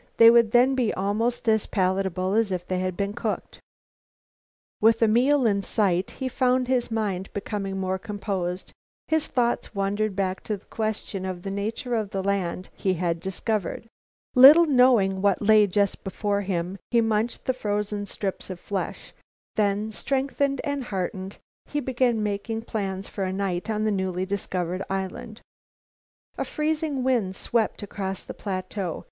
They would then be almost as palatable as if they had been cooked. With a meal in sight, he found his mind becoming more composed. His thoughts wandered back to the question of the nature of the land he had discovered. Little knowing what lay just before him, he munched the frozen strips of flesh; then, strengthened and enheartened, he began making plans for a night on the newly discovered land. A freezing wind swept across the plateau.